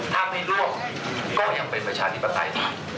ถ้าไม่ร่วมก็ยังเป็นประชาธิปไตย